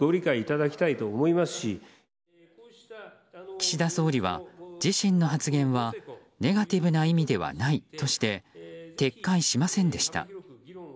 岸田総理は自身の発言はネガティブな意味ではないとして撤回しませんでした。